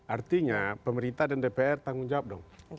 artinya pemerintah dan dpr tanggung jawab dong